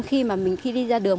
khi mà mình đi ra đường